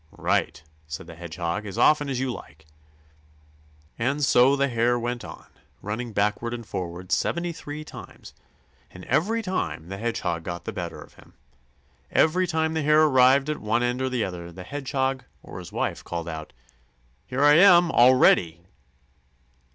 "Right!" said the Hedgehog. "As often as you like." And so the Hare went on, running backward and forward seventy three times, and every time the Hedgehog got the better of him. Every time the Hare arrived at one end or the other, the Hedgehog or his wife called out: "Here I am already!"